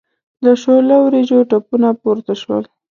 د شوله وریجو تپونه پورته شول.